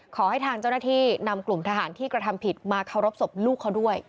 ขอให้ทางเจ้าหน้าที่นำกลุ่มทหารที่กระทำผิดมาเคารพศพลูกเขาด้วย